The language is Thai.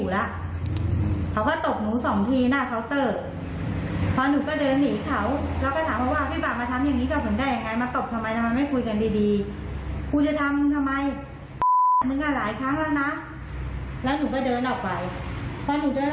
แล้วเขาก็ยังบอกหนูด้วยนะว่ามึงไปแจ้งความเลย